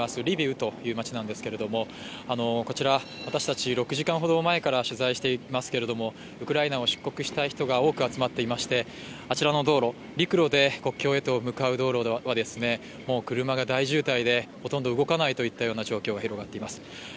リビウという街なんですけれどもこちら、私たち６時間前ほどから取材していますけれどもウクライナを出国したい人が多く集まっていましてあちらの道路、陸路で国境へと向かう道路はもう車が大渋滞で、ほとんど動かない状況が広がっています。